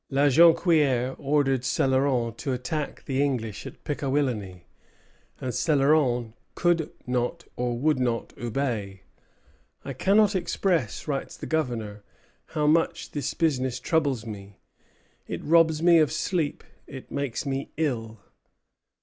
La Jonquière ordered Céloron to attack the English at Pickawillany; and Céloron could not or would not obey. "I cannot express," writes the Governor, "how much this business troubles me; it robs me of sleep; it makes me ill."